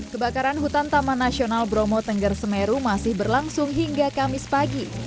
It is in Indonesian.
kebakaran hutan taman nasional bromo tengger semeru masih berlangsung hingga kamis pagi